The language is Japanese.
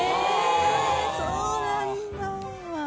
・そうなんだ。